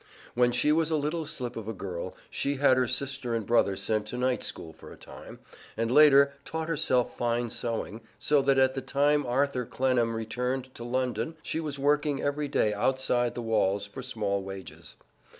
When she was a little slip of a girl she had her sister and brother sent to night school for a time, and later taught herself fine sewing, so that at the time Arthur Clennam returned to London she was working every day outside the walls, for small wages.